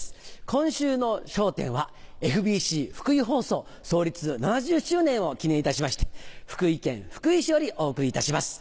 今週の『笑点』はＦＢＣ福井放送創立７０周年を記念いたしまして福井県福井市よりお送りいたします。